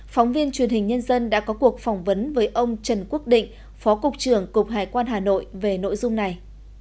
phóng viên truyền hình nhân dân đã có cuộc phỏng vấn với ông trần quốc định phó cục trưởng cục hải quan hà nội về nội dung này